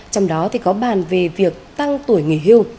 trong đó có bàn về việc tăng tuổi nghỉ hưu